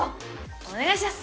お願いします。